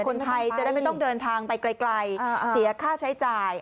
คนไทยจะได้ไม่ต้องเดินทางไปไกลเสียค่าใช้จ่าย